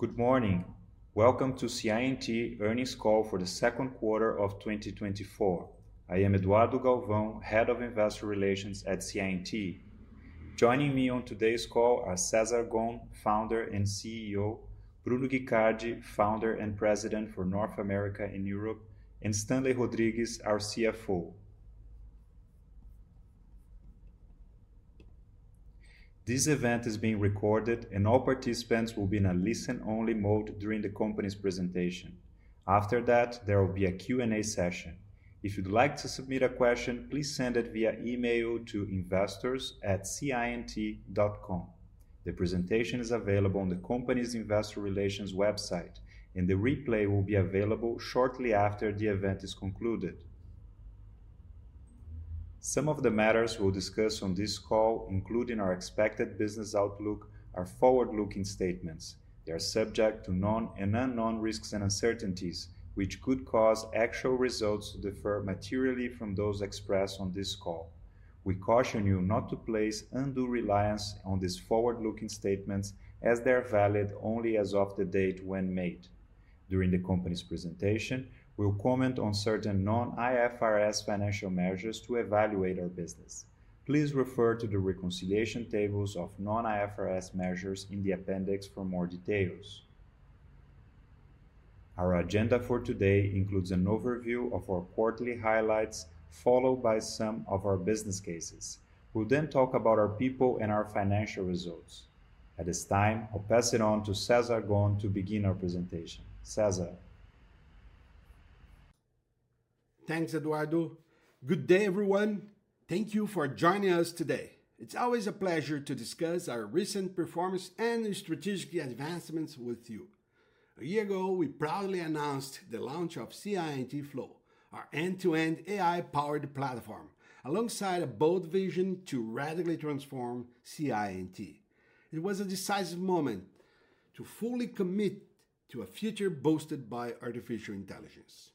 Good morning. Welcome to CI&T Earnings Call for the Second Quarter of 2024. I am Eduardo Galvão, Head of Investor Relations at CI&T. Joining me on today's call are Cesar Gon, Founder and CEO, Bruno Guicardi, Founder and President for North America and Europe, and Stanley Rodrigues, our CFO. This event is being recorded, and all participants will be in a listen-only mode during the company's presentation. After that, there will be a Q&A session. If you'd like to submit a question, please send it via email to investors@ciandt.com. The presentation is available on the company's investor relations website, and the replay will be available shortly after the event is concluded. Some of the matters we'll discuss on this call, including our expected business outlook, are forward-looking statements. They are subject to known and unknown risks and uncertainties, which could cause actual results to differ materially from those expressed on this call. We caution you not to place undue reliance on these forward-looking statements, as they are valid only as of the date when made. During the company's presentation, we'll comment on certain non-IFRS financial measures to evaluate our business. Please refer to the reconciliation tables of non-IFRS measures in the appendix for more details. Our agenda for today includes an overview of our quarterly highlights, followed by some of our business cases. We'll then talk about our people and our financial results. At this time, I'll pass it on to Cesar Gon to begin our presentation. Cesar? Thanks, Eduardo. Good day, everyone. Thank you for joining us today. It's always a pleasure to discuss our recent performance and strategic advancements with you. A year ago, we proudly announced the launch of CI&T Flow, our end-to-end AI-powered platform, alongside a bold vision to radically transform CI&T. It was a decisive moment to fully commit to a future boosted by artificial intelligence.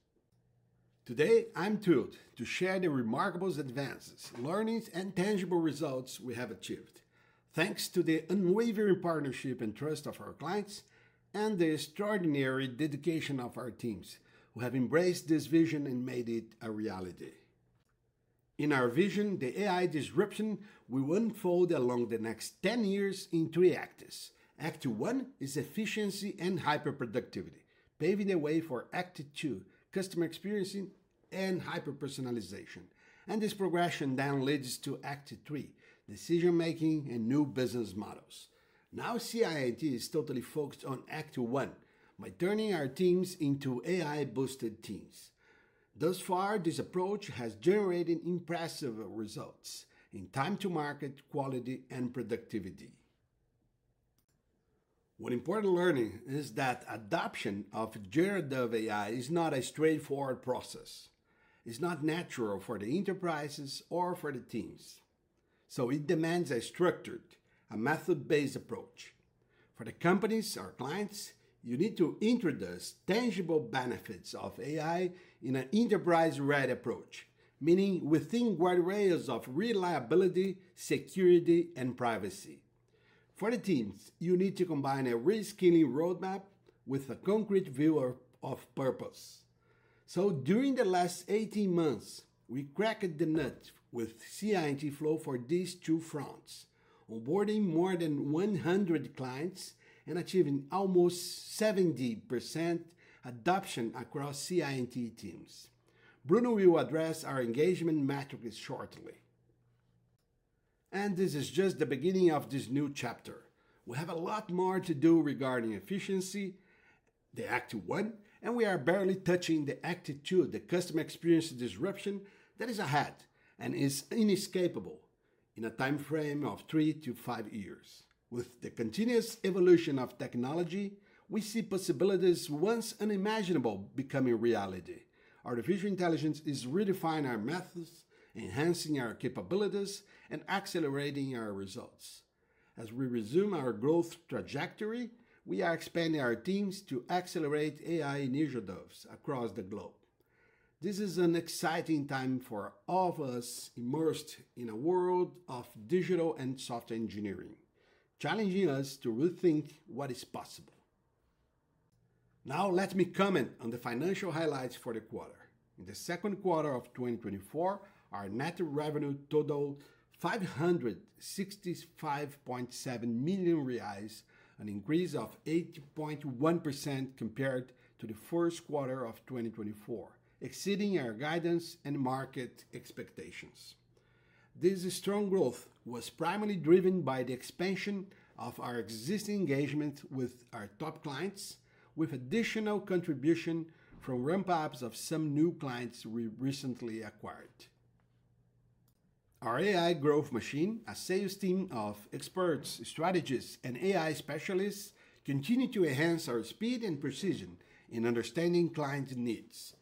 Today, I'm thrilled to share the remarkable advances, learnings, and tangible results we have achieved. Thanks to the unwavering partnership and trust of our clients and the extraordinary dedication of our teams, who have embraced this vision and made it a reality. In our vision, the AI disruption will unfold along the next 10 years in three acts. Act one is efficiency and hyper-productivity, paving the way for act two, customer experience and hyper-personalization. And this progression then leads to act three, decision-making and new business models. Now, CI&T is totally focused on act one by turning our teams into AI-boosted teams. Thus far, this approach has generated impressive results in time to market, quality, and productivity. One important learning is that adoption of generative AI is not a straightforward process. It's not natural for the enterprises or for the teams, so it demands a structured, a method-based approach. For the companies, our clients, you need to introduce tangible benefits of AI in an enterprise-wide approach, meaning within wide rails of reliability, security, and privacy. For the teams, you need to combine a reskilling roadmap with a concrete view of purpose. So during the last 18 months, we cracked the nut with CI&T Flow for these two fronts, onboarding more than 100 clients and achieving almost 70% adoption across CI&T teams. Bruno will address our engagement metrics shortly. And this is just the beginning of this new chapter. We have a lot more to do regarding efficiency, the act one, and we are barely touching the act two, the customer experience disruption that is ahead and is inescapable in a timeframe of three to five years. With the continuous evolution of technology, we see possibilities once unimaginable becoming reality. Artificial intelligence is redefining our methods, enhancing our capabilities, and accelerating our results. As we resume our growth trajectory, we are expanding our teams to accelerate AI initiatives across the globe. This is an exciting time for all of us immersed in a world of digital and software engineering, challenging us to rethink what is possible. Now, let me comment on the financial highlights for the quarter. In the second quarter of 2024, our net revenue totaled 565.7 million reais, an increase of 8.1% compared to the first quarter of 2024, exceeding our guidance and market expectations. This strong growth was primarily driven by the expansion of our existing engagement with our top clients, with additional contribution from ramp-ups of some new clients we recently acquired. Our AI Growth Machine, a sales team of experts, strategists, and AI specialists, continue to enhance our speed and precision in understanding clients' needs,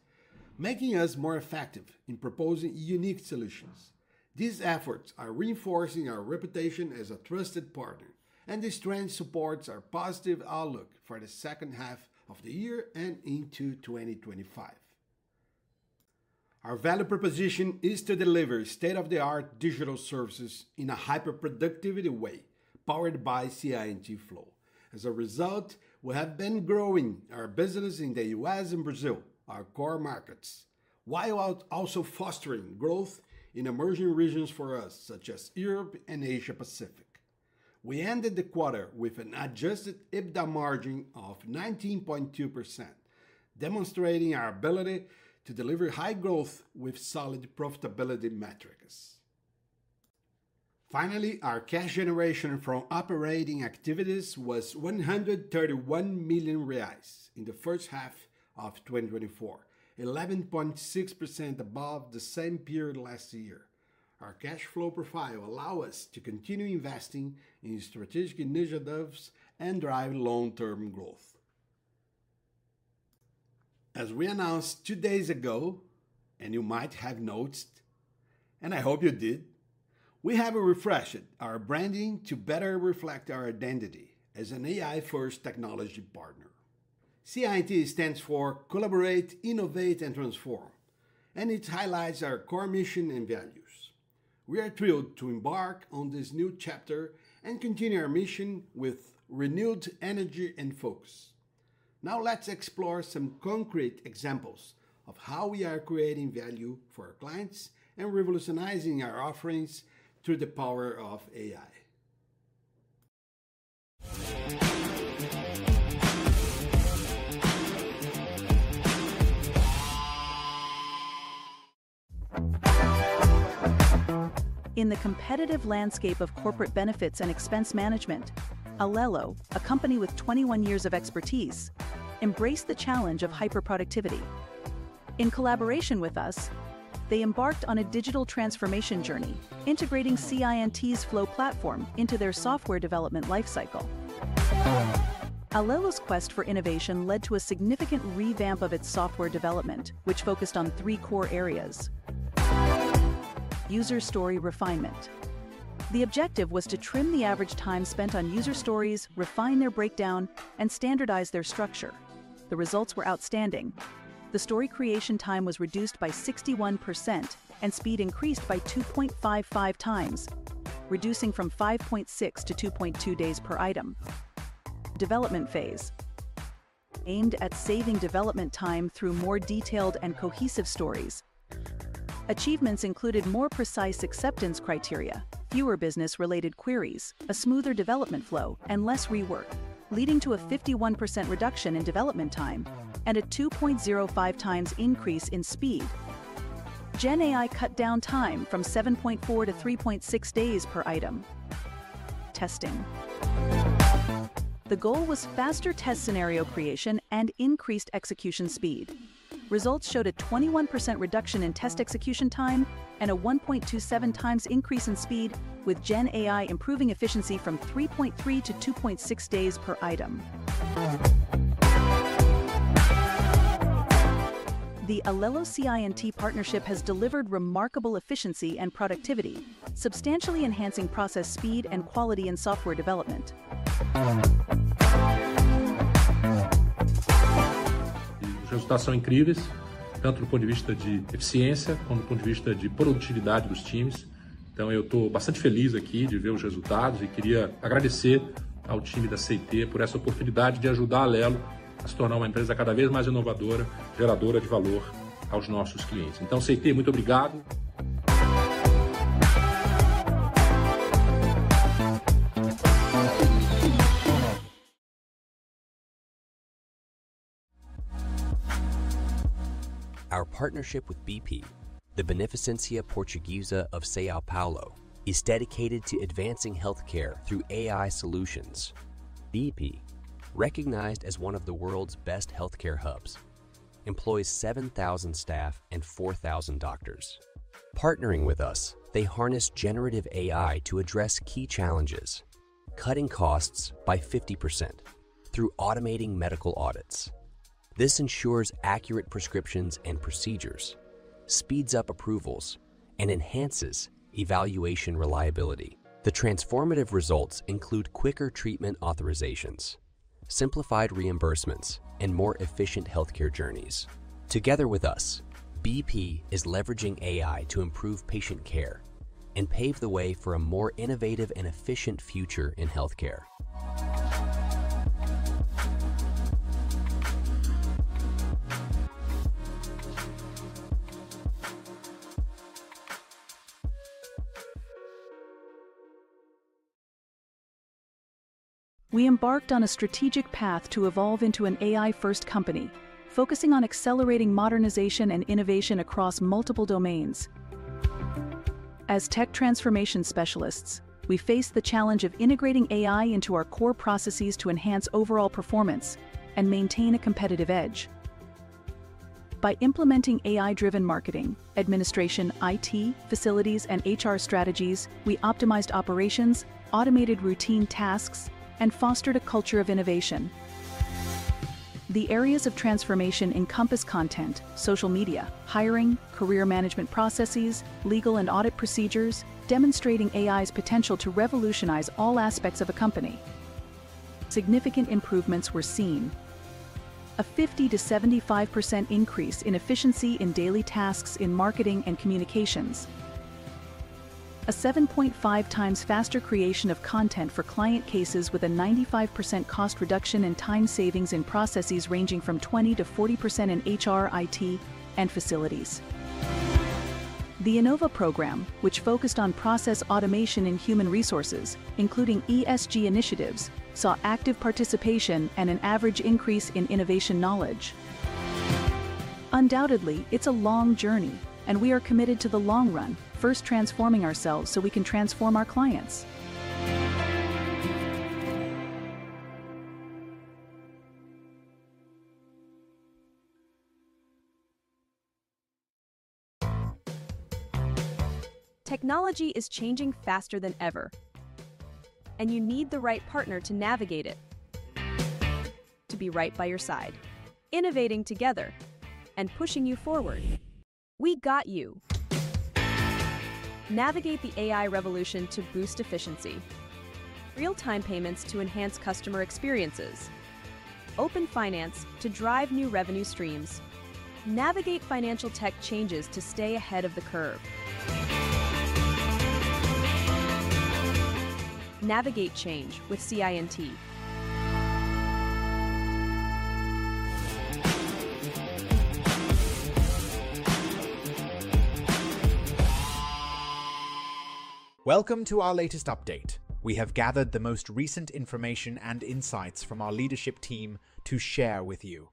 making us more effective in proposing unique solutions. These efforts are reinforcing our reputation as a trusted partner, and this trend supports our positive outlook for the second half of the year and into 2025. Our value proposition is to deliver state-of-the-art digital services in a hyper-productivity way, powered by CI&T Flow. As a result, we have been growing our business in the U.S. and Brazil, our core markets, while also fostering growth in emerging regions for us, such as Europe and Asia Pacific. We ended the quarter with an Adjusted EBITDA margin of 19.2%, demonstrating our ability to deliver high growth with solid profitability metrics. Finally, our cash generation from operating activities was 131 million reais in the first half of 2024, 11.6% above the same period last year. Our cash flow profile allow us to continue investing in strategic initiatives and drive long-term growth. As we announced two days ago, and you might have noticed, and I hope you did, we have refreshed our branding to better reflect our identity as an AI-first technology partner. CI&T stands for Collaborate, Innovate, and Transform, and it highlights our core mission and values. We are thrilled to embark on this new chapter and continue our mission with renewed energy and focus. Now let's explore some concrete examples of how we are creating value for our clients and revolutionizing our offerings through the power of AI. In the competitive landscape of corporate benefits and expense management, Alelo, a company with 21 years of expertise, embraced the challenge of hyper-productivity. In collaboration with us, they embarked on a digital transformation journey, integrating CI&T's Flow platform into their software development life cycle. Alelo's quest for innovation led to a significant revamp of its software development, which focused on three core areas. User story refinement. The objective was to trim the average time spent on user stories, refine their breakdown, and standardize their structure. The results were outstanding. The story creation time was reduced by 61% and speed increased by 2.55 times, reducing from 5.6 to 2.2 days per item. Development phase. Aimed at saving development time through more detailed and cohesive stories. Achievements included more precise acceptance criteria, fewer business-related queries, a smoother development flow, and less rework, leading to a 51% reduction in development time and a 2.05 times increase in speed. Gen AI cut down time from 7.4 to 3.6 days per item. Testing. The goal was faster test scenario creation and increased execution speed. Results showed a 21% reduction in test execution time and a 1.27 times increase in speed, with Gen AI improving efficiency from 3.3 to 2.6 days per item. The Alelo-CI&T partnership has delivered remarkable efficiency and productivity, substantially enhancing process speed and quality in software development. Our partnership with BP, the Beneficência Portuguesa de São Paulo, is dedicated to advancing healthcare through AI solutions. BP, recognized as one of the world's best healthcare hubs, employs 7,000 staff and 4,000 doctors. Partnering with us, they harness generative AI to address key challenges, cutting costs by 50% through automating medical audits. This ensures accurate prescriptions and procedures, speeds up approvals, and enhances evaluation reliability. The transformative results include quicker treatment authorizations, simplified reimbursements, and more efficient healthcare journeys. Together with us, BP is leveraging AI to improve patient care and pave the way for a more innovative and efficient future in healthcare. We embarked on a strategic path to evolve into an AI-first company, focusing on accelerating modernization and innovation across multiple domains. As tech transformation specialists, we face the challenge of integrating AI into our core processes to enhance overall performance and maintain a competitive edge. By implementing AI-driven marketing, administration, IT, facilities, and HR strategies, we optimized operations, automated routine tasks, and fostered a culture of innovation. The areas of transformation encompass content, social media, hiring, career management processes, legal and audit procedures, demonstrating AI's potential to revolutionize all aspects of a company. Significant improvements were seen: a 50%-75% increase in efficiency in daily tasks in marketing and communications, a 7.5 times faster creation of content for client cases with a 95% cost reduction and time savings in processes ranging from 20%-40% in HR, IT, and facilities. The Inova program, which focused on process automation in human resources, including ESG initiatives, saw active participation and an average increase in innovation knowledge. Undoubtedly, it's a long journey, and we are committed to the long run, first transforming ourselves so we can transform our clients. Technology is changing faster than ever, and you need the right partner to navigate it, to be right by your side, innovating together and pushing you forward. We got you! Navigate the AI revolution to boost efficiency, real-time payments to enhance customer experiences, open finance to drive new revenue streams. Navigate financial tech changes to stay ahead of the curve. Navigate change with CI&T. Welcome to our latest update. We have gathered the most recent information and insights from our leadership team to share with you.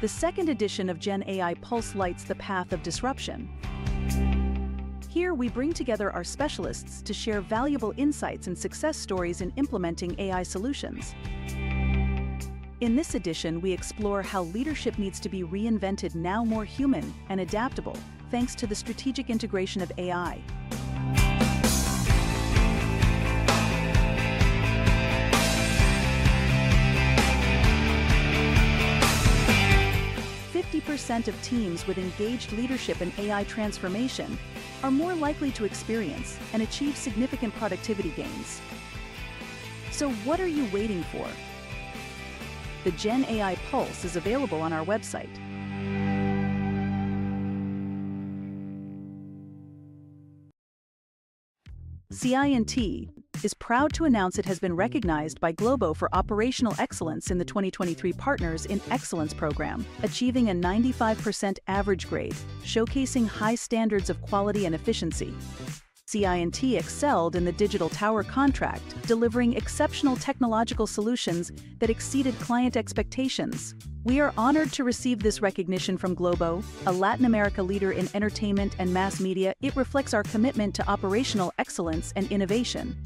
The second edition of Gen AI Pulse lights the path of disruption. Here, we bring together our specialists to share valuable insights and success stories in implementing AI solutions. In this edition, we explore how leadership needs to be reinvented now, more human and adaptable, thanks to the strategic integration of AI. 50% of teams with engaged leadership in AI transformation are more likely to experience and achieve significant productivity gains. What are you waiting for? The Gen AI Pulse is available on our website. CI&T is proud to announce it has been recognized by Globo for operational excellence in the 2023 Partners in Excellence program, achieving a 95% average grade, showcasing high standards of quality and efficiency. CI&T excelled in the Digital Tower contract, delivering exceptional technological solutions that exceeded client expectations. We are honored to receive this recognition from Globo, a Latin American leader in entertainment and mass media. It reflects our commitment to operational excellence and innovation.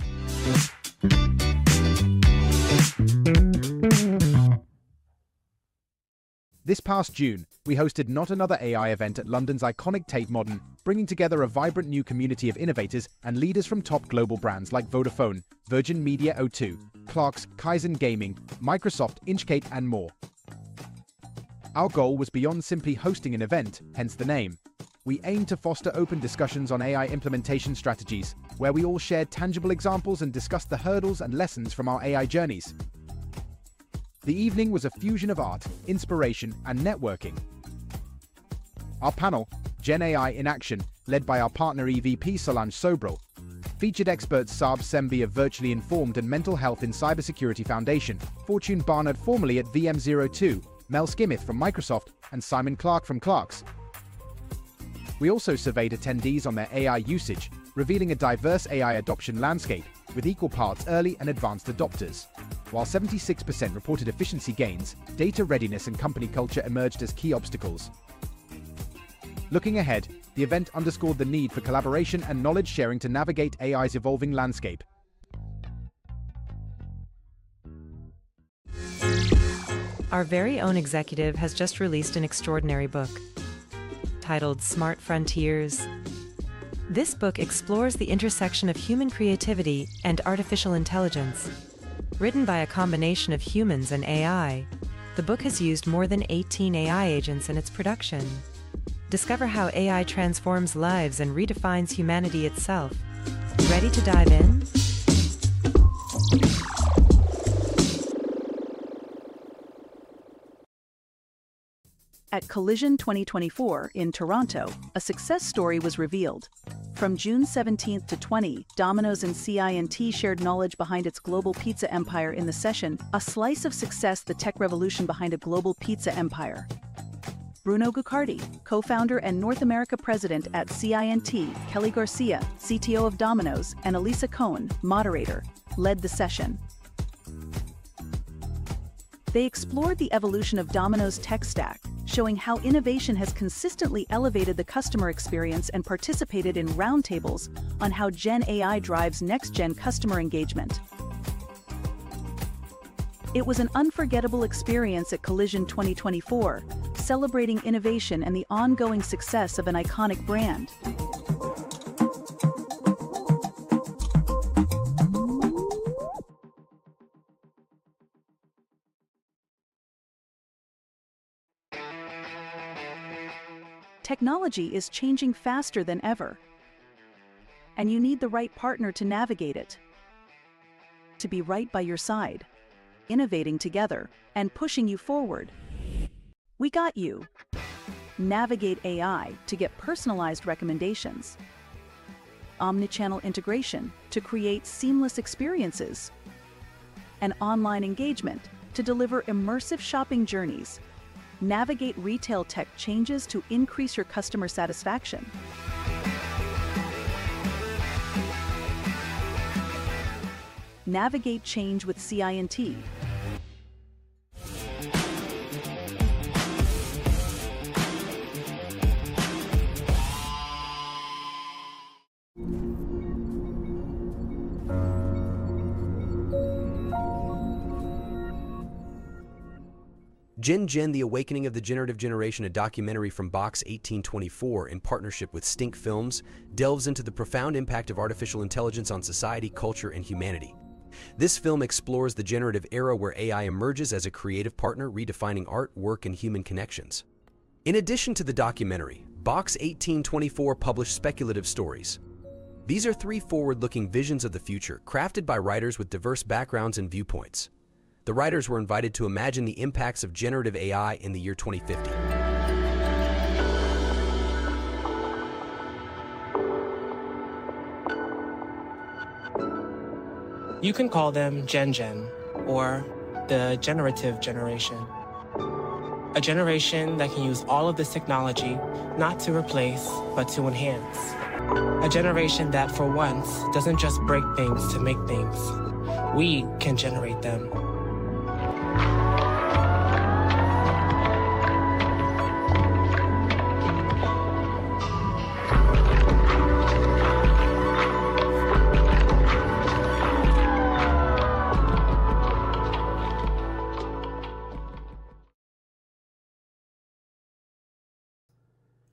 This past June, we hosted Not Another AI event at London's iconic Tate Modern, bringing together a vibrant new community of innovators and leaders from top global brands like Vodafone, Virgin Media O2, Clarks, Kaizen Gaming, Microsoft, Inchcape, and more. Our goal was beyond simply hosting an event, hence the name. We aimed to foster open discussions on AI implementation strategies, where we all shared tangible examples and discussed the hurdles and lessons from our AI journeys. The evening was a fusion of art, inspiration, and networking. Our panel, Gen AI in Action, led by our partner, EVP Solange Sobral, featured experts Sarb Sembhi of Virtually Informed and Mental Health in Cybersecurity Foundation, Fotan Barnard, formerly at VMO2, Mel Schmith from Microsoft, and Simon Clark from Clarks. We also surveyed attendees on their AI usage, revealing a diverse AI adoption landscape with equal parts early and advanced adopters. While 76% reported efficiency gains, data readiness and company culture emerged as key obstacles. Looking ahead, the event underscored the need for collaboration and knowledge sharing to navigate AI's evolving landscape. Our very own executive has just released an extraordinary book titled Smart Frontiers. This book explores the intersection of human creativity and artificial intelligence. Written by a combination of humans and AI, the book has used more than 18 AI agents in its production. Discover how AI transforms lives and redefines humanity itself. Ready to dive in? At Collision 2024 in Toronto, a success story was revealed. From June seventeenth to 20, Domino's and CI&T shared knowledge behind its global pizza empire in the session, A Slice of Success: The Tech Revolution Behind a Global Pizza Empire. Bruno Guicardi, Co-Founder and North America President at CI&T, Kelly Garcia, CTO of Domino's, and Eliza Cohen, moderator, led the session. They explored the evolution of Domino's tech stack, showing how innovation has consistently elevated the customer experience and participated in roundtables on how Gen AI drives next-gen customer engagement. It was an unforgettable experience at Collision 2024, celebrating innovation and the ongoing success of an iconic brand. Technology is changing faster than ever, and you need the right partner to navigate it. To be right by your side, innovating together and pushing you forward. We got you. Navigate AI to get personalized recommendations, omnichannel integration to create seamless experiences, and online engagement to deliver immersive shopping journeys. Navigate retail tech changes to increase your customer satisfaction. Navigate change with CI&T. Gen Gen: The Awakening of the Generative Generation, a documentary from Box 1824, in partnership with Stink Films, delves into the profound impact of artificial intelligence on society, culture, and humanity. This film explores the generative era where AI emerges as a creative partner, redefining art, work, and human connections. In addition to the documentary, Box 1824 published speculative stories. These are three forward-looking visions of the future, crafted by writers with diverse backgrounds and viewpoints. The writers were invited to imagine the impacts of generative AI in the year 2050. You can call them Gen Gen or the Generative Generation. A generation that can use all of this technology not to replace, but to enhance. A generation that, for once, doesn't just break things to make things. We can generate them.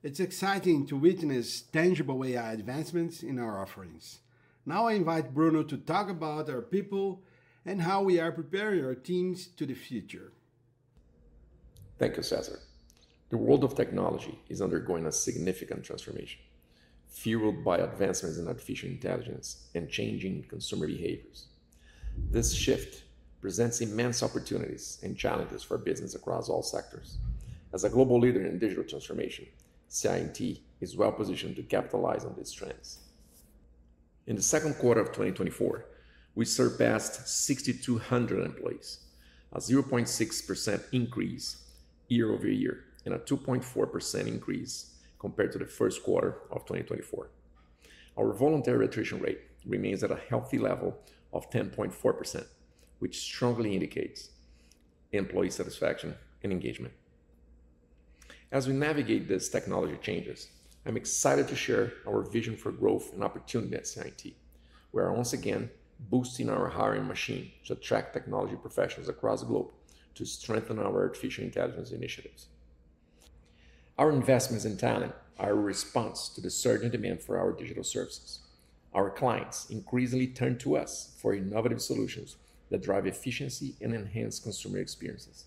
It's exciting to witness tangible AI advancements in our offerings. Now, I invite Bruno to talk about our people and how we are preparing our teams to the future. Thank you, Cesar. The world of technology is undergoing a significant transformation, fueled by advancements in artificial intelligence and changing consumer behaviors. This shift presents immense opportunities and challenges for business across all sectors. As a global leader in digital transformation, CI&T is well positioned to capitalize on these trends. In the second quarter of 2024, we surpassed 6,200 employees, a 0.6% increase year over year, and a 2.4% increase compared to the first quarter of 2024. Our voluntary attrition rate remains at a healthy level of 10.4%, which strongly indicates employee satisfaction and engagement. As we navigate these technology changes, I'm excited to share our vision for growth and opportunity at CI&T. We are once again boosting our hiring machine to attract technology professionals across the globe to strengthen our artificial intelligence initiatives. Our investments in talent are a response to the surging demand for our digital services. Our clients increasingly turn to us for innovative solutions that drive efficiency and enhance consumer experiences.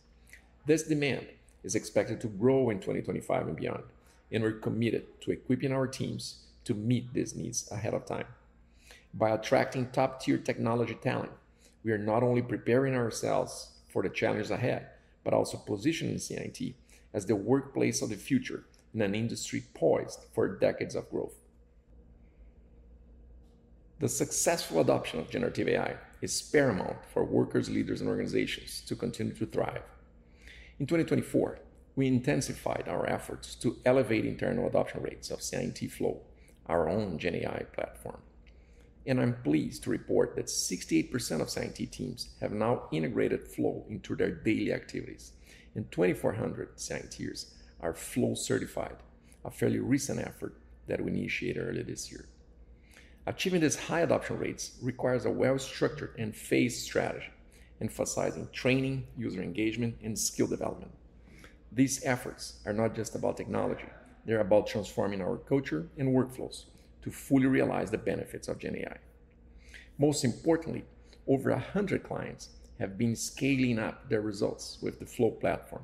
This demand is expected to grow in 2025 and beyond, and we're committed to equipping our teams to meet these needs ahead of time. By attracting top-tier technology talent, we are not only preparing ourselves for the challenges ahead, but also positioning CI&T as the workplace of the future in an industry poised for decades of growth. The successful adoption of generative AI is paramount for workers, leaders, and organizations to continue to thrive. In 2024, we intensified our efforts to elevate internal adoption rates of CI&T Flow, our own Gen AI platform, and I'm pleased to report that 68% of CI&T teams have now integrated Flow into their daily activities, and 2,400 CI&Ters are Flow certified, a fairly recent effort that we initiated earlier this year. Achieving these high adoption rates requires a well-structured and phased strategy, emphasizing training, user engagement, and skill development. These efforts are not just about technology, they're about transforming our culture and workflows to fully realize the benefits of Gen AI. Most importantly, over 100 clients have been scaling up their results with the Flow platform,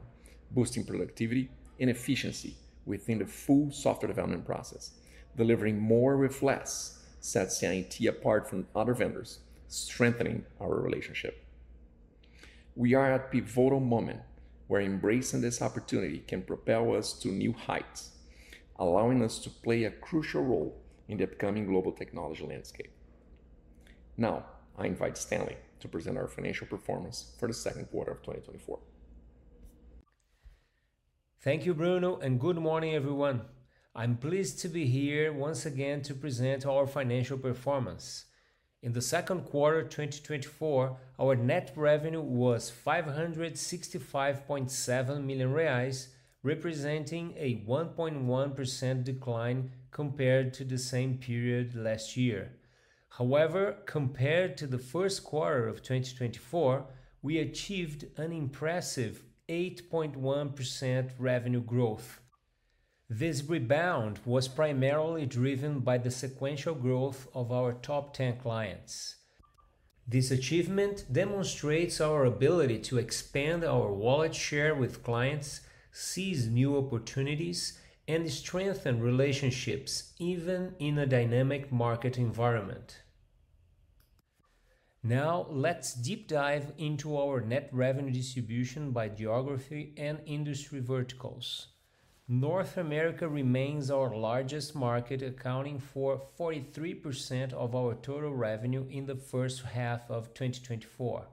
boosting productivity and efficiency within the full software development process. Delivering more with less sets CI&T apart from other vendors, strengthening our relationship. We are at a pivotal moment where embracing this opportunity can propel us to new heights, allowing us to play a crucial role in the upcoming global technology landscape. Now, I invite Stanley to present our financial performance for the second quarter of 2024. Thank you, Bruno, and good morning, everyone. I'm pleased to be here once again to present our financial performance. In the second quarter of 2024, our net revenue was 565.7 million reais, representing a 1.1% decline compared to the same period last year. However, compared to the first quarter of 2024, we achieved an impressive 8.1% revenue growth. This rebound was primarily driven by the sequential growth of our top 10 clients... This achievement demonstrates our ability to expand our wallet share with clients, seize new opportunities, and strengthen relationships, even in a dynamic market environment. Now, let's deep dive into our net revenue distribution by geography and industry verticals. North America remains our largest market, accounting for 43% of our total revenue in the first half of 2024.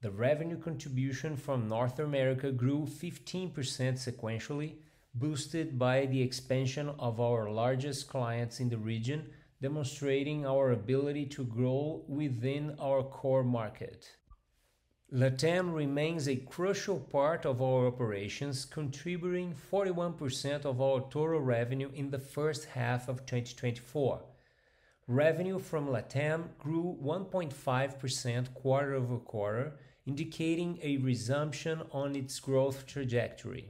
The revenue contribution from North America grew 15% sequentially, boosted by the expansion of our largest clients in the region, demonstrating our ability to grow within our core market. LATAM remains a crucial part of our operations, contributing 41% of our total revenue in the first half of 2024. Revenue from LATAM grew 1.5% quarter over quarter, indicating a resumption on its growth trajectory.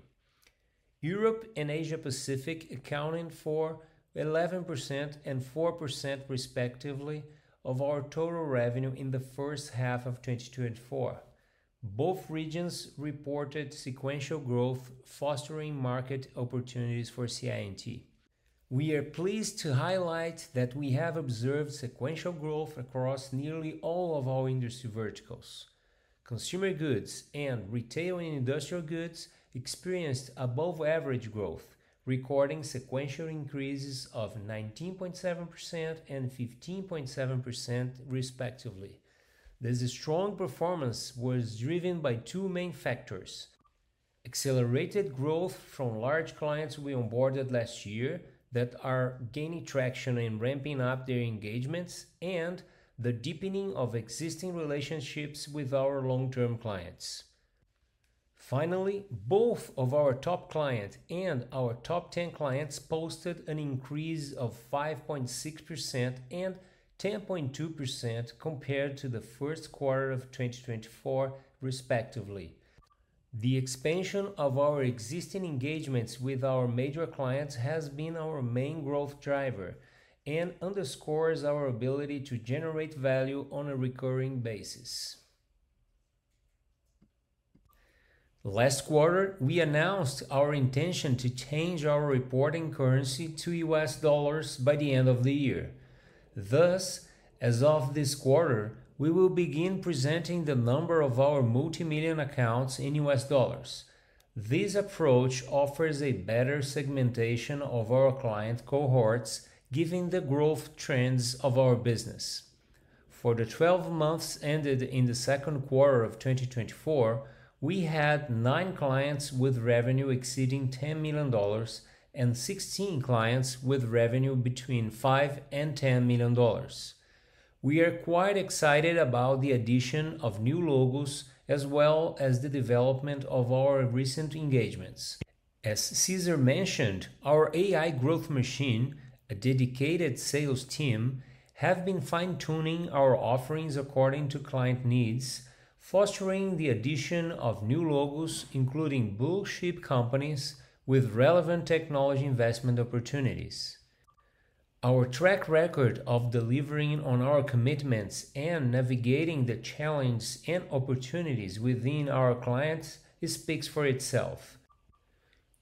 Europe and Asia Pacific accounted for 11% and 4%, respectively, of our total revenue in the first half of 2024. Both regions reported sequential growth, fostering market opportunities for CI&T. We are pleased to highlight that we have observed sequential growth across nearly all of our industry verticals. Consumer goods and retail and industrial goods experienced above average growth, recording sequential increases of 19.7% and 15.7%, respectively. This strong performance was driven by two main factors: accelerated growth from large clients we onboarded last year that are gaining traction and ramping up their engagements, and the deepening of existing relationships with our long-term clients. Finally, both of our top client and our top ten clients posted an increase of 5.6% and 10.2% compared to the first quarter of 2024, respectively. The expansion of our existing engagements with our major clients has been our main growth driver and underscores our ability to generate value on a recurring basis. Last quarter, we announced our intention to change our reporting currency to U.S. dollars by the end of the year. Thus, as of this quarter, we will begin presenting the number of our multimillion accounts in U.S. dollars. This approach offers a better segmentation of our client cohorts, giving the growth trends of our business. For the twelve months ended in the second quarter of 2024, we had nine clients with revenue exceeding $10 million and 16 clients with revenue between $5 million and $10 million. We are quite excited about the addition of new logos as well as the development of our recent engagements. As Cesar mentioned, our AI Growth Machine, a dedicated sales team, have been fine-tuning our offerings according to client needs, fostering the addition of new logos, including blue-chip companies with relevant technology investment opportunities. Our track record of delivering on our commitments and navigating the challenges and opportunities within our clients speaks for itself.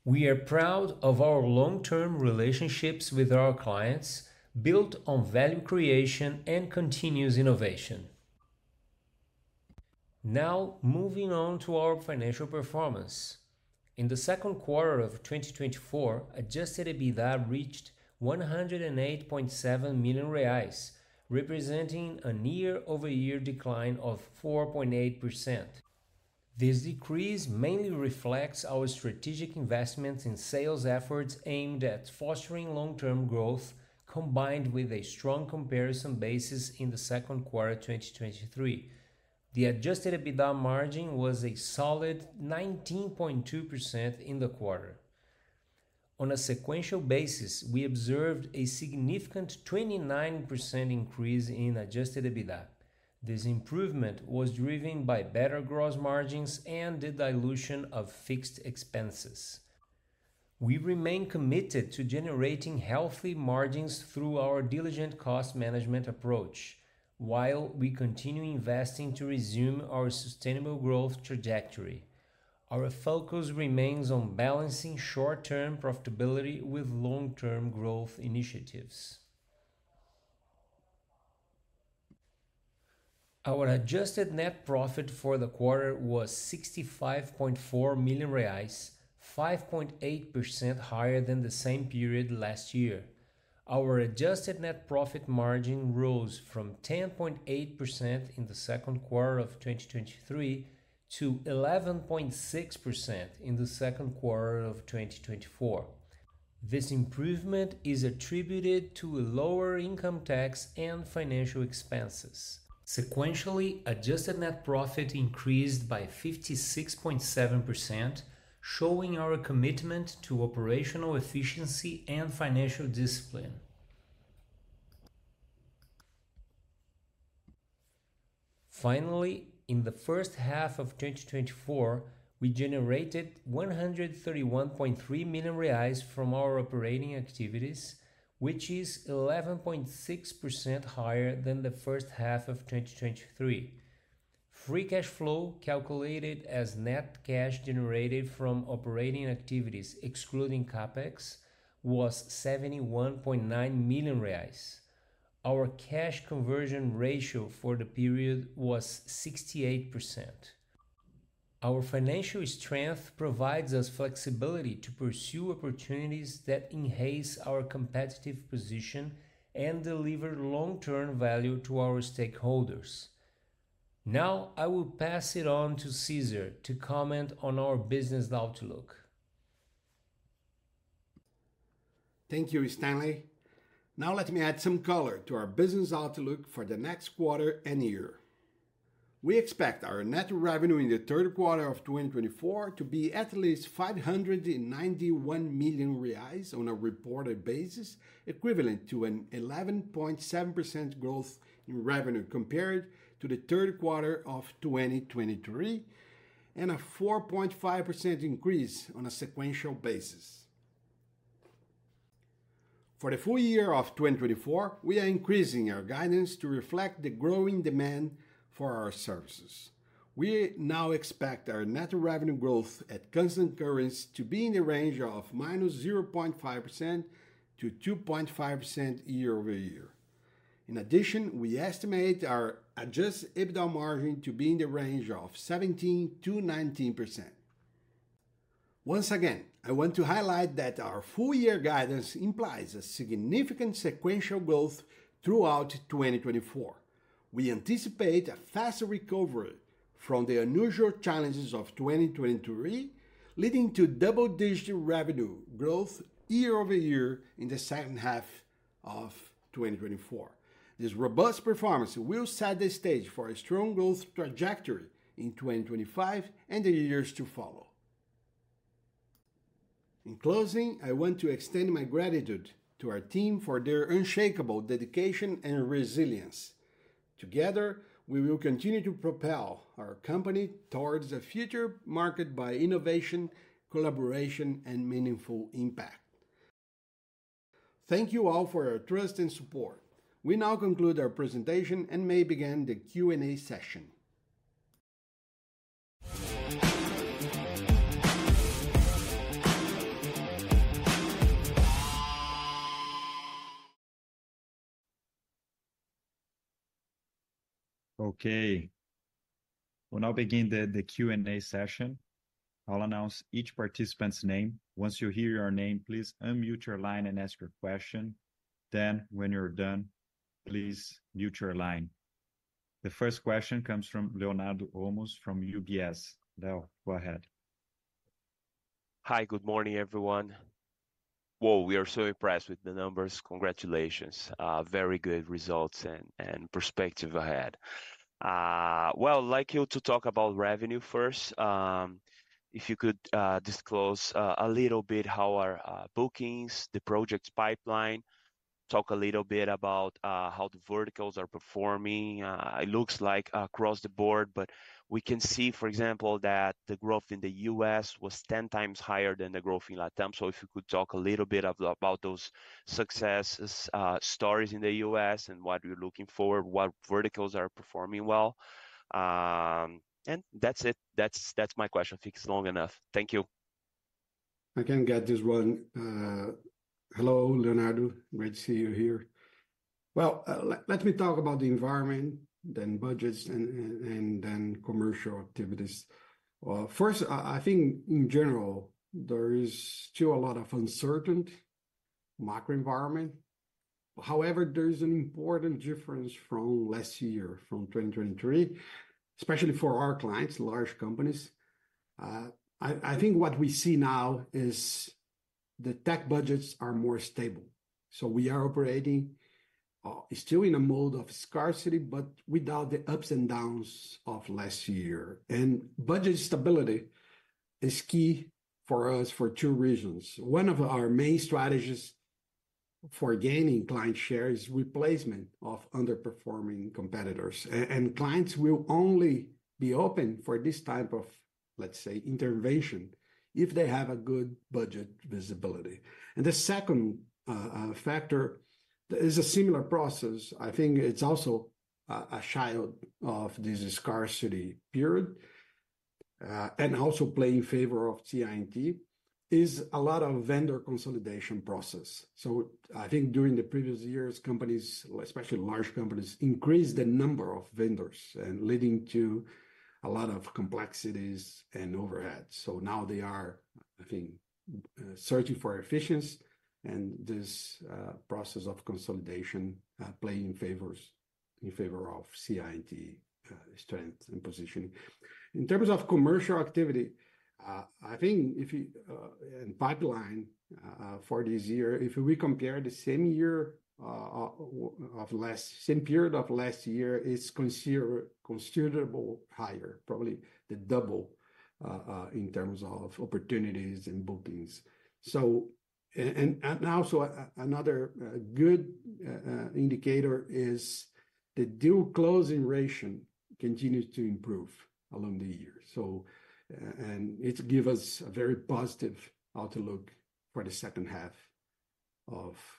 We are proud of our long-term relationships with our clients, built on value creation and continuous innovation. Now, moving on to our financial performance. In the second quarter of 2024, adjusted EBITDA reached 108.7 million reais, representing a year-over-year decline of 4.8%. This decrease mainly reflects our strategic investments in sales efforts aimed at fostering long-term growth, combined with a strong comparison basis in the second quarter 2023. The adjusted EBITDA margin was a solid 19.2% in the quarter. On a sequential basis, we observed a significant 29% increase in adjusted EBITDA. This improvement was driven by better gross margins and the dilution of fixed expenses. We remain committed to generating healthy margins through our diligent cost management approach, while we continue investing to resume our sustainable growth trajectory. Our focus remains on balancing short-term profitability with long-term growth initiatives. Our adjusted net profit for the quarter was 65.4 million reais, 5.8% higher than the same period last year. Our adjusted net profit margin rose from 10.8% in the second quarter of 2023 to 11.6% in the second quarter of 2024. This improvement is attributed to lower income tax and financial expenses. Sequentially, adjusted net profit increased by 56.7%, showing our commitment to operational efficiency and financial discipline. Finally, in the first half of 2024, we generated 131.3 million reais from our operating activities, which is 11.6% higher than the first half of 2023. Free cash flow, calculated as net cash generated from operating activities, excluding CapEx, was $71.9 million. Our cash conversion ratio for the period was 68%. Our financial strength provides us flexibility to pursue opportunities that enhance our competitive position and deliver long-term value to our stakeholders. Now, I will pass it on to Cesar to comment on our business outlook. Thank you, Stanley. Now let me add some color to our business outlook for the next quarter and year. We expect our net revenue in the third quarter of 2024 to be at least 591 million reais, on a reported basis, equivalent to an 11.7% growth in revenue compared to the third quarter of 2023, and a 4.5% increase on a sequential basis. For the full year of 2024, we are increasing our guidance to reflect the growing demand for our services. We now expect our net revenue growth at constant currency to be in the range of -0.5% to 2.5% year over year. In addition, we estimate our adjusted EBITDA margin to be in the range of 17%-19%. Once again, I want to highlight that our full year guidance implies a significant sequential growth throughout 2024. We anticipate a faster recovery from the unusual challenges of 2023, leading to double-digit revenue growth year over year in the second half of 2024. This robust performance will set the stage for a strong growth trajectory in 2025 and the years to follow. In closing, I want to extend my gratitude to our team for their unshakable dedication and resilience. Together, we will continue to propel our company towards a future marked by innovation, collaboration and meaningful impact. Thank you all for your trust and support. We now conclude our presentation and may begin the Q&A session. Okay, we'll now begin the Q&A session. I'll announce each participant's name. Once you hear your name, please unmute your line and ask your question. Then when you're done, please mute your line. The first question comes from Leonardo Olmos, from UBS. Leo, go ahead. Hi. Good morning, everyone. Whoa, we are so impressed with the numbers. Congratulations. Very good results and perspective ahead. Well, I'd like you to talk about revenue first. If you could disclose a little bit how are bookings, the projects pipeline? Talk a little bit about how the verticals are performing. It looks like across the board, but we can see, for example, that the growth in the U.S. was 10 times higher than the growth in LATAM. So if you could talk a little bit about those successes, stories in the U.S. and what you're looking for, what verticals are performing well. And that's it. That's my question. I think it's long enough. Thank you. I can get this one. Hello, Leonardo. Great to see you here. Well, let me talk about the environment, then budgets and then commercial activities. First, I think in general there is still a lot of uncertainty in the macro environment. However, there is an important difference from last year, from 2023, especially for our clients, large companies. I think what we see now is the tech budgets are more stable, so we are operating still in a mode of scarcity, but without the ups and downs of last year. Budget stability is key for us for two reasons. One of our main strategies for gaining client share is replacement of underperforming competitors, and clients will only be open for this type of, let's say, intervention if they have a good budget visibility. And the second factor is a similar process. I think it's also a child of this scarcity period, and also plays in favor of CI&T, is a lot of vendor consolidation process. So I think during the previous years, companies, especially large companies, increased the number of vendors and leading to a lot of complexities and overhead. So now they are, I think, searching for efficiency and this process of consolidation playing in favor of CI&T strength and positioning. In terms of commercial activity, I think if you... and pipeline for this year, if we compare the same period of last year, it's considerable higher, probably the double in terms of opportunities and bookings. So... And also another good indicator is the deal closing ratio continues to improve along the year. So, and it give us a very positive outlook for the second half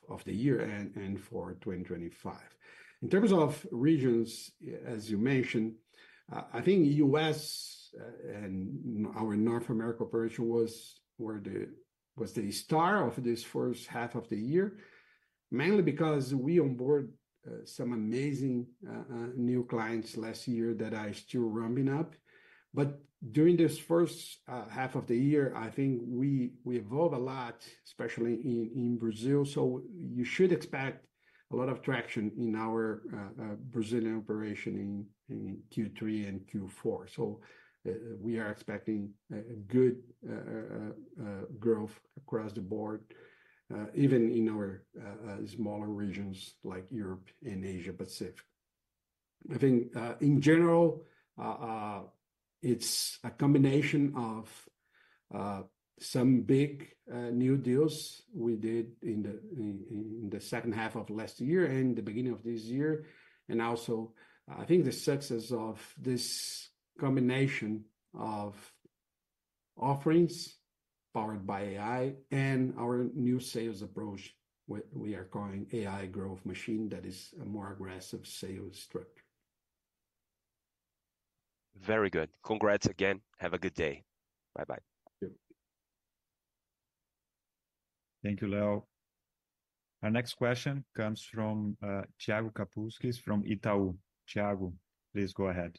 of the year and for 2025. In terms of regions, as you mentioned, I think US and our North America operation was the star of this first half of the year, mainly because we onboard some amazing new clients last year that are still ramping up. But during this first half of the year, I think we evolved a lot, especially in Brazil. So you should expect a lot of traction in our Brazilian operation in Q3 and Q4. We are expecting good growth across the board, even in our smaller regions like Europe and Asia Pacific. I think in general it's a combination of some big new deals we did in the second half of last year and the beginning of this year, and also I think the success of this combination of offerings powered by AI and our new sales approach, which we are calling AI Growth Machine, that is a more aggressive sales strategy. Very good. Congrats again. Have a good day. Bye-bye. Thank you. Thank you, Leo. Our next question comes from Thiago Kapulskis from Itaú. Thiago, please go ahead.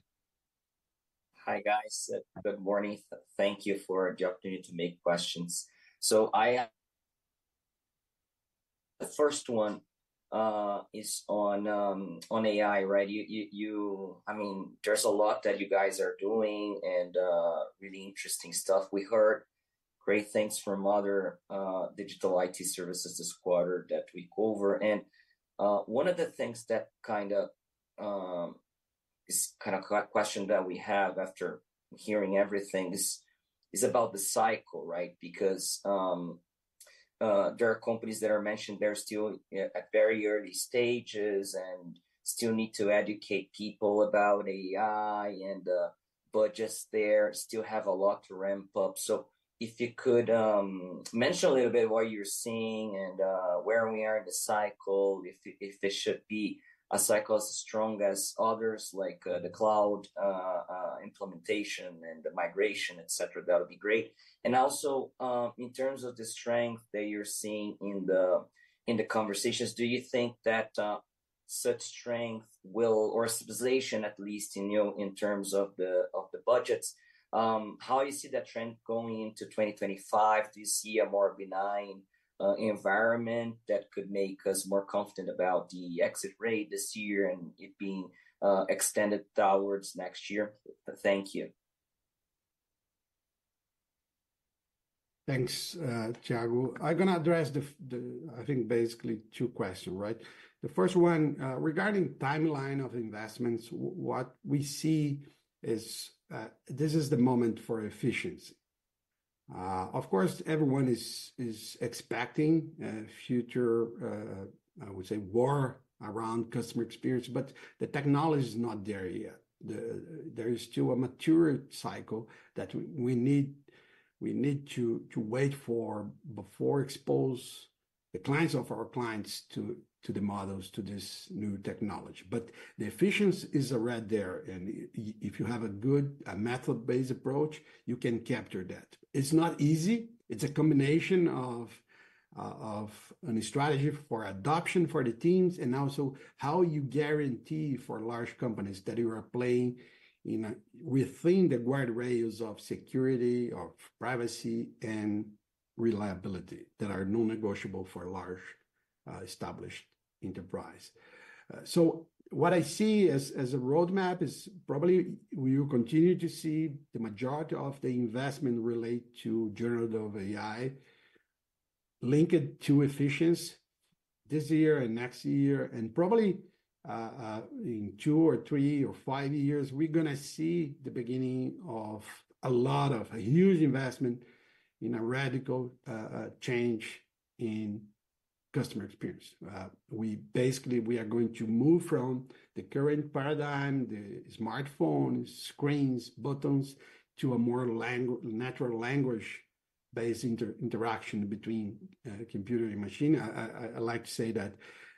Hi, guys. Good morning. Thank you for the opportunity to make questions. The first one is on AI, right? I mean, there's a lot that you guys are doing and really interesting stuff. We heard great things from other digital IT services this quarter that we go over, and one of the things that kind of is kind of question that we have after hearing everything is about the cycle, right? Because there are companies that are mentioned. They're still at very early stages and still need to educate people about AI, and budgets there still have a lot to ramp up. So if you could mention a little bit what you're seeing and where we are in the cycle, if this should be a cycle as strong as others, like the cloud implementation and the migration, et cetera, that would be great. And also, in terms of the strength that you're seeing in the conversations, do you think that such strength will... or stabilization, at least, in you know in terms of the budgets, how you see that trend going into 2025? Do you see a more benign environment that could make us more confident about the exit rate this year and it being extended towards next year? Thank you. Thanks, Thiago. I'm gonna address the, I think, basically two questions, right? The first one, regarding timeline of investments, what we see is, this is the moment for efficiency. Of course, everyone is expecting a future, I would say, war around customer experience, but the technology is not there yet. There is still a mature cycle that we need to wait for before expose the clients of our clients to the models, to this new technology. But the efficiency is already there, and if you have a good, a method-based approach, you can capture that. It's not easy. It's a combination of, of an strategy for adoption for the teams, and also how you guarantee for large companies that you are playing in a, within the wide rails of security, of privacy, and reliability that are non-negotiable for large, established enterprise. So what I see as a roadmap is probably we will continue to see the majority of the investment relate to generative AI, link it to efficiency this year and next year, and probably, in two or three or five years, we're gonna see the beginning of a lot of, a huge investment in a radical, change in customer experience. We basically are going to move from the current paradigm, the smartphone screens, buttons, to a more natural language-based interaction between, computer and machine. I like to say that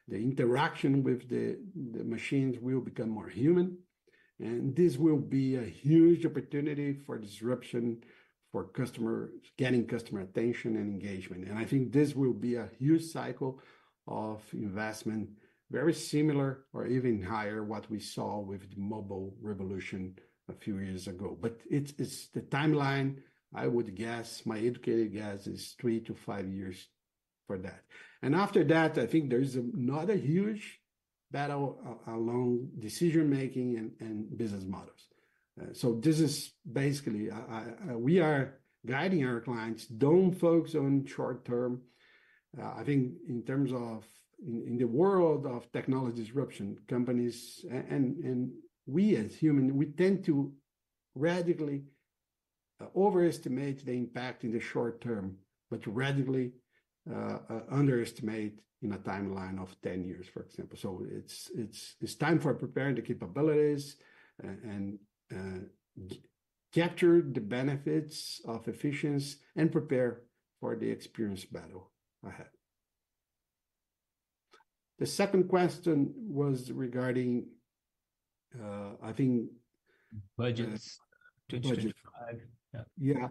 the interaction with the machines will become more human, and this will be a huge opportunity for disruption, for getting customer attention and engagement. I think this will be a huge cycle of investment, very similar or even higher, what we saw with the mobile revolution a few years ago. It's the timeline. I would guess my educated guess is three to five years for that. After that, I think there is another huge battle along decision-making and business models. This is basically we are guiding our clients. Don't focus on short term. I think in terms of... In the world of technology disruption, companies and we as humans tend to radically overestimate the impact in the short term, but radically underestimate in a timeline of ten years, for example. So it's time for preparing the capabilities and capture the benefits of efficiency and prepare for the experience battle ahead. The second question was regarding, I think- Budgets. The budgets. Yeah.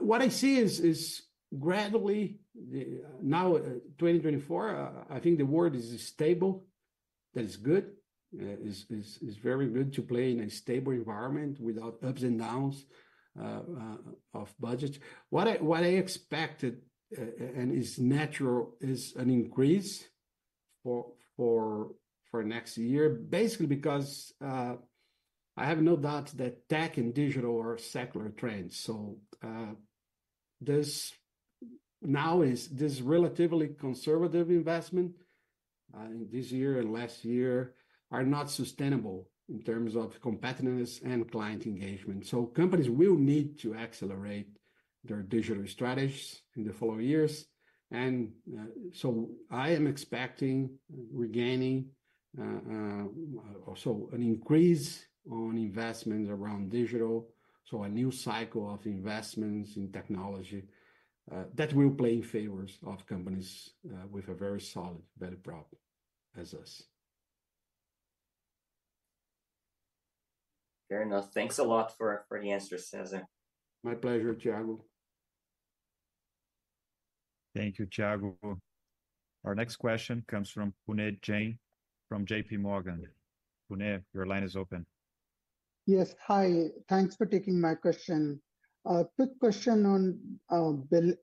What I see is gradually the now 2024. I think the word is stable. That is good. It is very good to play in a stable environment without ups and downs of budgets. What I expected and is natural is an increase for next year, basically because I have no doubt that tech and digital are secular trends. So this now is this relatively conservative investment in this year and last year are not sustainable in terms of competitiveness and client engagement. So companies will need to accelerate their digital strategies in the following years. So I am expecting an increase in investment around digital, so a new cycle of investments in technology that will play in favor of companies with a very solid value prop as us. Fair enough. Thanks a lot for the answers, Cesar. My pleasure, Thiago. Thank you, Thiago. Our next question comes from Puneet Jain from J.P. Morgan. Puneet, your line is open. Yes, hi. Thanks for taking my question. Quick question on Bill,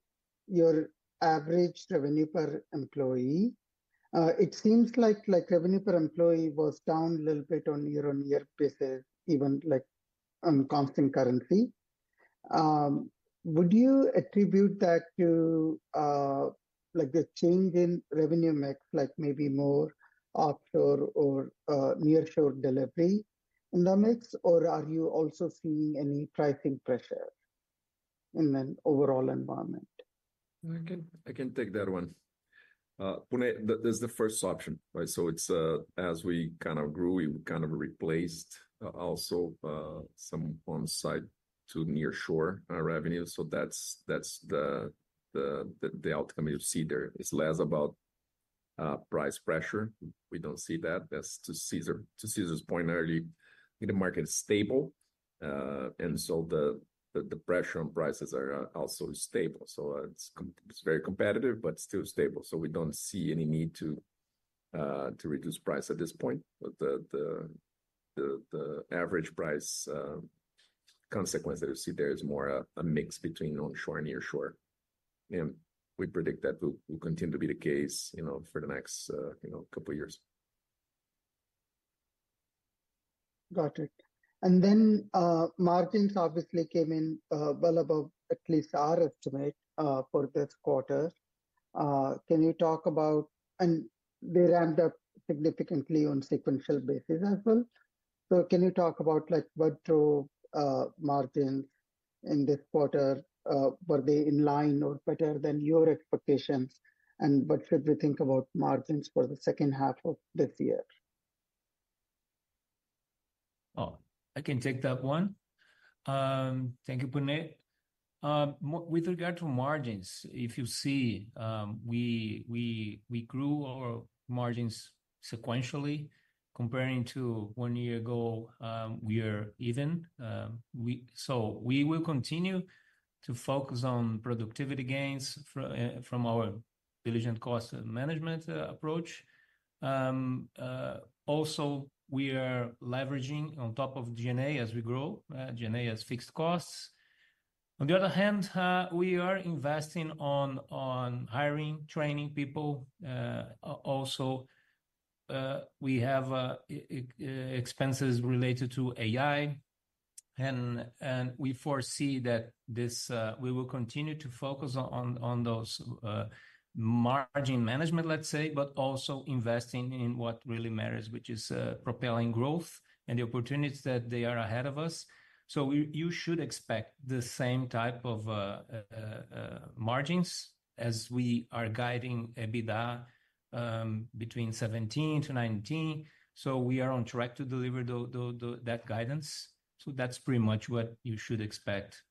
your average revenue per employee. It seems like revenue per employee was down a little bit on year-on-year basis, even like on constant currency. Would you attribute that to like the change in revenue mix, like maybe more offshore or nearshore delivery in the mix, or are you also seeing any pricing pressure in the overall environment? I can take that one. Puneet, that's the first option, right? So it's, as we kind of grew, we kind of replaced, also, some on-site to nearshore revenue. So that's the outcome you see there. It's less about price pressure. We don't see that. That's to Cesar's point earlier, the market is stable, and so the pressure on prices are also stable. So it's very competitive, but still stable, so we don't see any need to reduce price at this point. But the average price consequences we see there is more a mix between onshore and nearshore, and we predict that will continue to be the case, you know, for the next, you know, couple of years. Got it. And then, margins obviously came in well above at least our estimate for this quarter. And they ramped up significantly on sequential basis as well. So can you talk about like what drove margins in this quarter? Were they in line or better than your expectations, and what should we think about margins for the second half of this year? Oh, I can take that one. Thank you, Puneet. With regard to margins, if you see, we grew our margins sequentially. Comparing to one year ago, we are even. So we will continue to focus on productivity gains from our diligent cost management approach. Also, we are leveraging on top of GenAI as we grow. GenAI has fixed costs. On the other hand, we are investing on hiring, training people. Also, we have expenses related to AI, and we foresee that this. We will continue to focus on those margin management, let's say, but also investing in what really matters, which is, propelling growth and the opportunities that they are ahead of us. You should expect the same type of margins as we are guiding EBITDA between 17%-19%. We are on track to deliver that guidance, so that's pretty much what you should expect.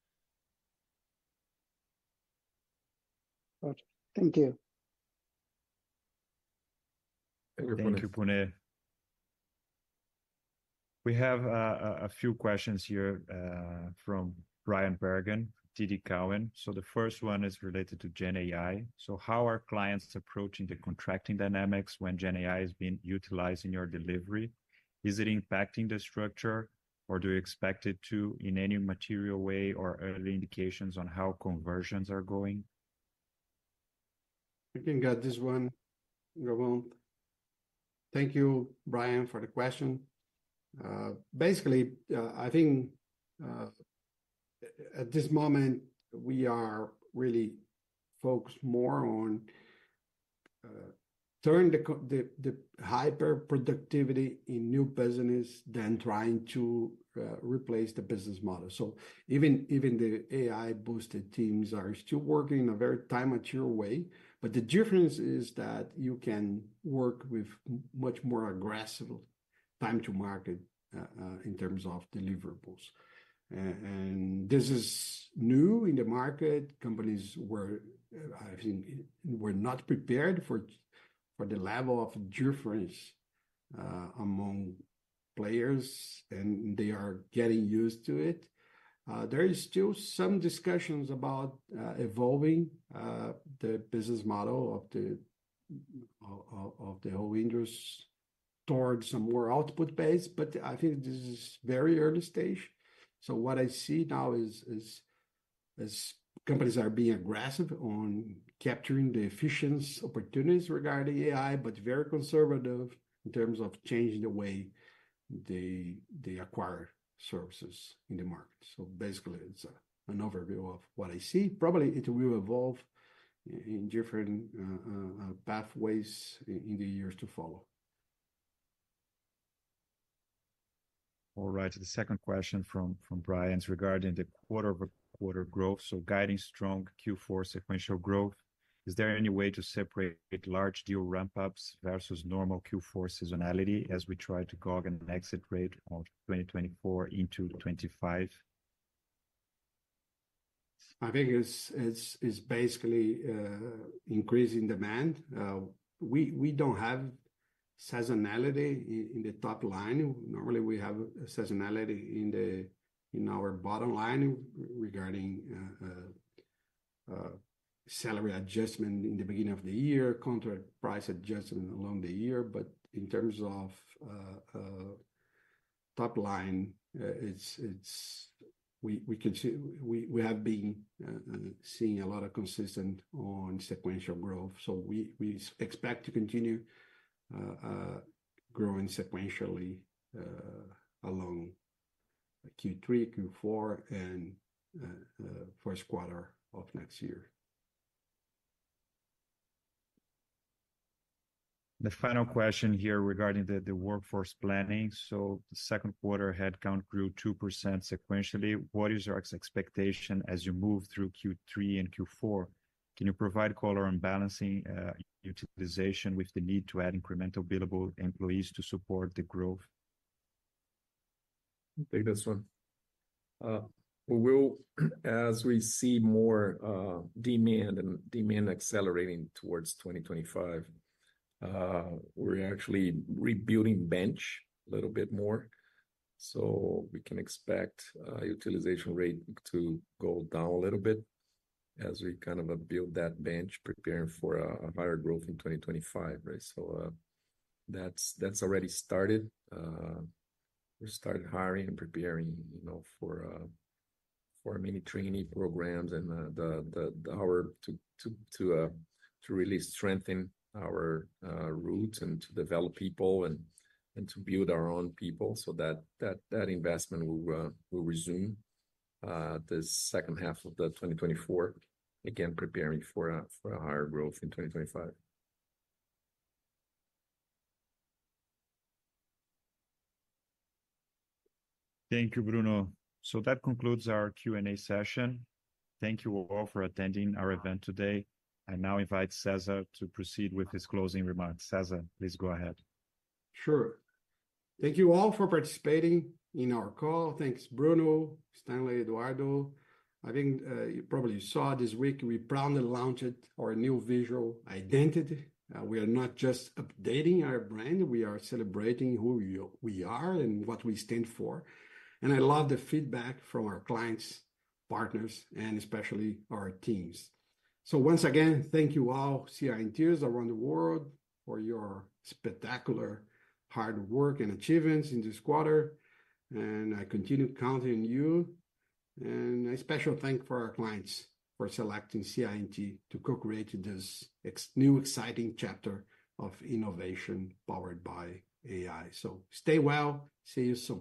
Got you. Thank you. Thank you, Puneet. We have a few questions here from Bryan Bergin, TD Cowen. The first one is related to GenAI. "So how are clients approaching the contracting dynamics when GenAI is being utilized in your delivery? Is it impacting the structure, or do you expect it to in any material way, or early indications on how conversions are going? I can get this one, Galvão. Thank you, Bryan, for the question. Basically, I think, at this moment, we are really focused more on turning the hyper-productivity in new business than trying to replace the business model. So even the AI-boosted teams are still working in a very time and material way, but the difference is that you can work with much more aggressive time to market in terms of deliverables. And this is new in the market. Companies, I think, were not prepared for the level of difference among players, and they are getting used to it. There is still some discussions about evolving the business model of the whole industry towards some more output-based, but I think this is very early stage. So what I see now is companies are being aggressive on capturing the efficiency opportunities regarding AI, but very conservative in terms of changing the way they acquire services in the market. So basically, it's an overview of what I see. Probably it will evolve in different pathways in the years to follow. All right, the second question from Bryan is regarding the quarter over quarter growth. "So guiding strong Q4 sequential growth, is there any way to separate large deal ramp-ups versus normal Q4 seasonality as we try to gauge an exit rate of 2024 into 2025? I think it's basically increasing demand. We don't have seasonality in the top line. Normally, we have seasonality in our bottom line regarding salary adjustment in the beginning of the year, contract price adjustment along the year, but in terms of top line, it's... We can see we have been seeing a lot of consistent on sequential growth, so we expect to continue growing sequentially along Q3, Q4, and first quarter of next year. The final question here regarding the workforce planning. "So the second quarter headcount grew 2% sequentially. What is your expectation as you move through Q3 and Q4? Can you provide color on balancing utilization with the need to add incremental billable employees to support the growth? I'll take this one. We will, as we see more demand and demand accelerating towards 2025, we're actually rebuilding bench a little bit more. So we can expect utilization rate to go down a little bit as we kind of build that bench, preparing for a higher growth in 2025, right? So that's already started. We started hiring and preparing, you know, for mini trainee programs and the hour to really strengthen our roots and to develop people and to build our own people. So that investment will resume the second half of 2024, again, preparing for a higher growth in 2025. Thank you, Bruno. So that concludes our Q&A session. Thank you all for attending our event today. I now invite Cesar to proceed with his closing remarks. Cesar, please go ahead. Sure. Thank you all for participating in our call. Thanks, Bruno, Stanley, Eduardo. I think you probably saw this week, we proudly launched our new visual identity. We are not just updating our brand, we are celebrating who we are and what we stand for, and I love the feedback from our clients, partners, and especially our teams. So once again, thank you, all CI&Ters around the world, for your spectacular hard work and achievements in this quarter, and I continue counting on you. And a special thanks for our clients for selecting CI&T to co-create this new, exciting chapter of innovation powered by AI. So stay well, see you soon.